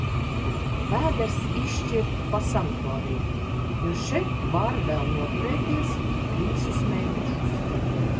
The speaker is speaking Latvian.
Vēders izšķir pa sanatoriju, jo še var vēl noturēties trīsus mēnešus.